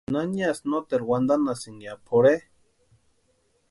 ¿Naniasï noteru wantanhasïni ya pʼorhe?